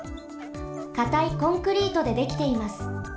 かたいコンクリートでできています。